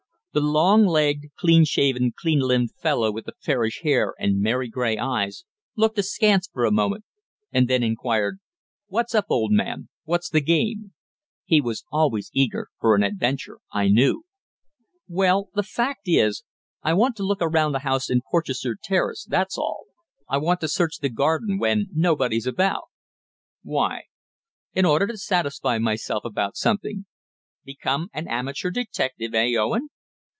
The long legged, clean shaven, clean limbed fellow with the fairish hair and merry grey eyes looked askance for a moment, and then inquired "What's up, old man? What's the game?" He was always eager for an adventure, I knew. "Well, the fact is I want to look around a house in Porchester Terrace, that's all. I want to search the garden when nobody's about." "Why?" "In order to satisfy myself about something." "Become an amateur detective eh, Owen?"